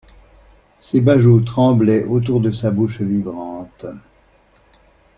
Ses bajoues tremblaient autour de sa bouche vibrante.